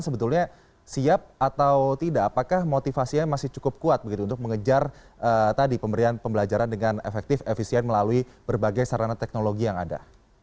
sebetulnya siap atau tidak apakah motivasinya masih cukup kuat begitu untuk mengejar tadi pemberian pembelajaran dengan efektif efisien melalui berbagai sarana teknologi yang ada